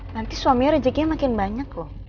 nanti suami rejekinya makin banyak loh